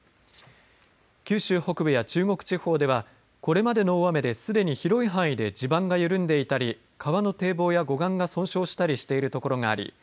九州北部や中国地方ではこれまでの大雨ですでに広い範囲で地盤が緩んでいたり川の堤防や護岸が損傷しているところがあり